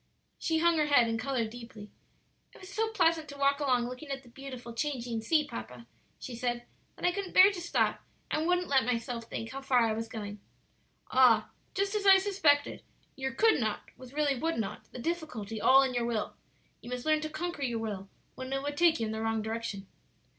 She hung her head and colored deeply. "It was so pleasant to walk along looking at the beautiful, changing sea, papa," she said, "that I couldn't bear to stop, and wouldn't let myself think how far I was going." "Ah, just as I suspected; your could not was really would not; the difficulty all in your will. You must learn to conquer your will when it would take you in the wrong direction.